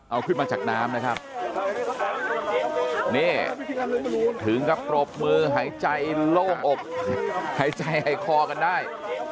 เอาขึ้นมาจากน้ำนะครับนี่ถึงกับปรบมือหายใจโล่งอกหายใจหายคอกันได้